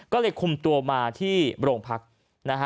ก็เลยคุมตัวมาที่โรงพักนะฮะ